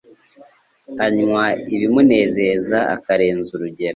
anywa ibimunezeza akarenza urugero.